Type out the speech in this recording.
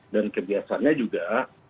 dan kebiasaannya juga